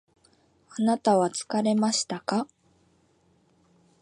あなたは疲れましたか？